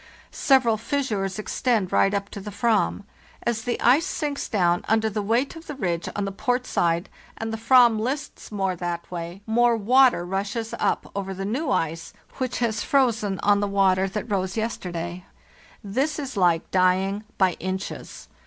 Several fissures extend right up to the Ayam. As the ice sinks down under the weight of the ridge on the port side and the fram lists more that way, more water rushes up over the new ice which has frozen on the water that rose yesterday. This is like dying by inches.